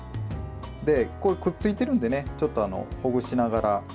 くっついてるんでねちょっとほぐしながら。